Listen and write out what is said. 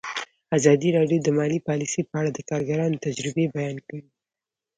ازادي راډیو د مالي پالیسي په اړه د کارګرانو تجربې بیان کړي.